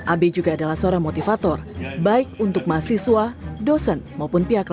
ab juga adalah seorang motivator baik untuk mahasiswa dosen maupun pihak lain di luar kampus